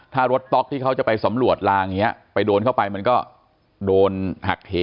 ถ้ารถต๊อกที่เขาจะไปสำรวจลางอย่างนี้ไปโดนเข้าไปมันก็โดนหักเห